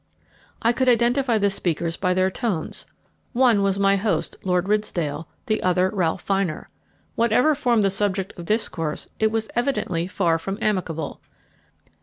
I could identify the speakers by their tones one was my host, Lord Ridsdale, the other Ralph Vyner. Whatever formed the subject of discourse it was evidently far from amicable.